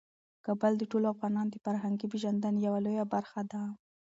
کابل د ټولو افغانانو د فرهنګي پیژندنې یوه لویه برخه ده.